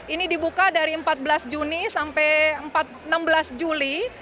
ini dibuka dari empat belas juni sampai enam belas juli